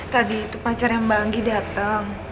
tadi itu pacar yang mbak anggi dateng